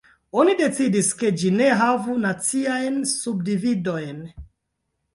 Oni decidis, ke ĝi ne havu naciajn subdividojn.